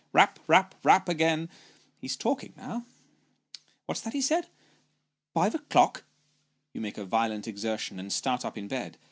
Eap, rap, rap, again he's talking now what's that he said ? Five o'clock ! You make a violent exertion, and start up in bed.